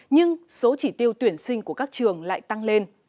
nhưng số chỉ tiêu tuyển sinh của các trường lại tăng lên